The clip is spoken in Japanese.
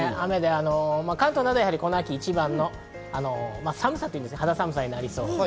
関東などではこの秋一番の肌寒さになりそうです。